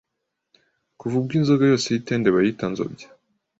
Kuva ubwo inzoga yose y’itende bayita nzobya